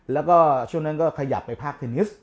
แล้วก็ช่วงนั้นก็ขยับไปภาคเทนนิส